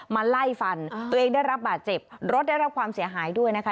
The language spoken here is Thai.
มาไล่ฟันตัวเองได้รับบาดเจ็บรถได้รับความเสียหายด้วยนะคะ